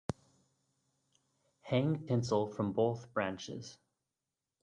Hang tinsel from both branches.